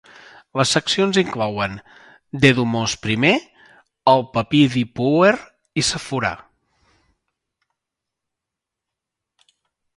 Les seccions inclouen, Dedumose I, el Papir d'Ipuwer i Seforà.